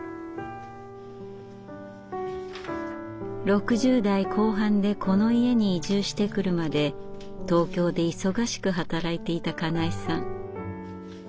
６０代後半でこの家に移住してくるまで東京で忙しく働いていた金井さん。